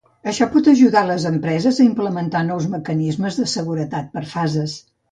Això pot ajudar les empreses a implementar nous mecanismes de seguretat per fases.